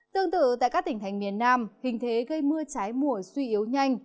tương tự tại các tỉnh thành miền nam hình thế gây mưa trái mùa suy yếu nhanh